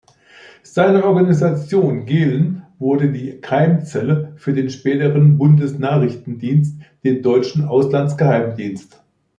Seine Organisation Gehlen wurde die Keimzelle für den späteren Bundesnachrichtendienst, den deutschen Auslandsgeheimdienst.